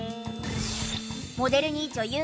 モデルに女優。